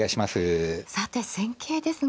さて戦型ですが。